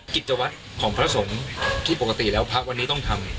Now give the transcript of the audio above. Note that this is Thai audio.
กิจวัตรของพระสงฆ์ที่ปกติแล้วพระวันนี้ต้องทำ